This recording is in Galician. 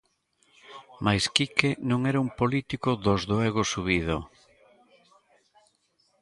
Mais Quique non era un político 'dos do ego subido'.